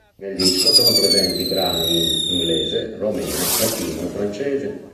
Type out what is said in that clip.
Nel disco sono presenti brani in inglese, romeno, latino e francese.